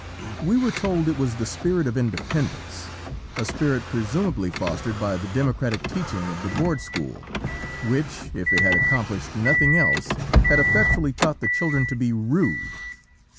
"We were told it was the spirit of independence, a spirit presumably fostered by the democratic teaching of the board school which if it had accomplished nothing else had effectually taught the children to be RUDE.